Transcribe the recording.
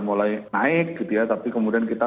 mulai naik gitu ya tapi kemudian kita